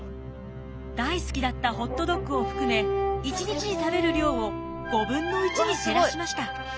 大好きだったホットドッグを含め１日に食べる量を５分の１に減らしました。